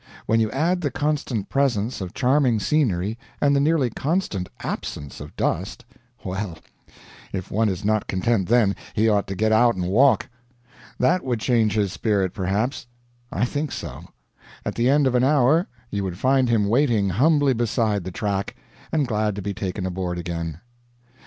When you add the constant presence of charming scenery and the nearly constant absence of dust well, if one is not content then, he ought to get out and walk. That would change his spirit, perhaps? I think so. At the end of an hour you would find him waiting humbly beside the track, and glad to be taken aboard again.